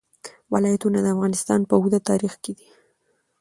ولایتونه د افغانستان په اوږده تاریخ کې دي.